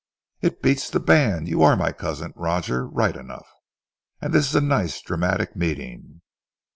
"It beats the band. You are my cousin Roger right enough, and this is a nice dramatic meeting.